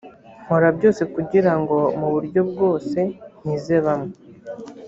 nkora byose kugira ngo mu buryo bwose nkize bamwe